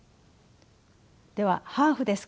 では「ハーフですか？